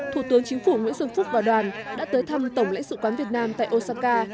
thủ tướng chính phủ nguyễn xuân phúc và đoàn đã tới thăm tổng lãnh sự quán việt nam tại osaka